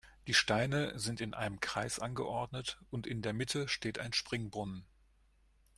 Die Steine sind in einem Kreis angeordnet und in der Mitte steht ein Springbrunnen.